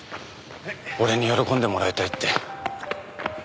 俺に喜んでもらいたいって。